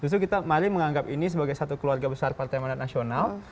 justru kita mari menganggap ini sebagai satu keluarga besar partai manat nasional